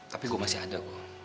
tapi gue masih ada gue